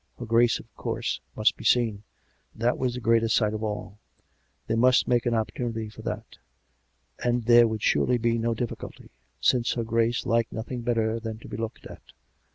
Her Grace, of course, must be seen; that was the greatest sight of all. They miist make an opportunity for that; and there would surely be no difficulty, since her Grace liked nothing better than to be looked at.